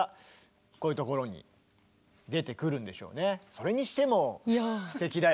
それにしてもすてきだよね。